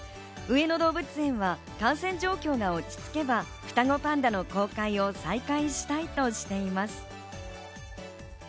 上野動物園は感染状況が落ち着けば、双子パンダの公開を再開したいとしています。